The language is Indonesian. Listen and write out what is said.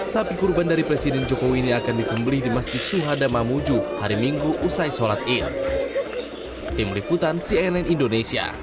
sapi kurban dari presiden jokowi ini akan disembelih di masjid syuhada mamuju hari minggu usai sholat id